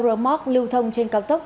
roadmark lưu thông trên cao tốc